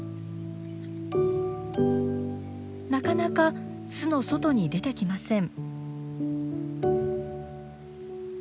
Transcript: なかなか巣の外に出てきません。